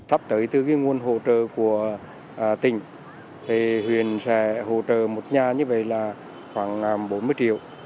sắp tới từ nguồn hỗ trợ của tỉnh thì huyện sẽ hỗ trợ một nhà như vậy là khoảng bốn mươi triệu